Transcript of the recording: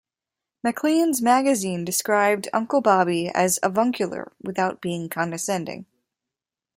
"Maclean's" magazine described Uncle Bobby as "avuncular without being condescending.